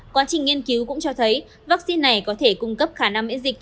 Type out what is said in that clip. quá trình nghiên cứu cũng cho thấy vaccine này có thể cung cấp khả năng miễn dịch